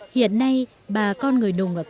hiện nay bà con người nùng ở cao bằng